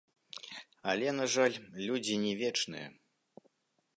Але, на жаль, людзі не вечныя.